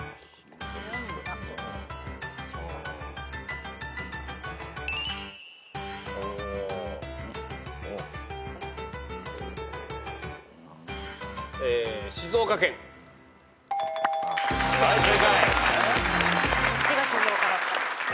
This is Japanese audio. こっちが静岡だった。